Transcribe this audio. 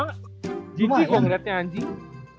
gigi kok ngeliatnya anjing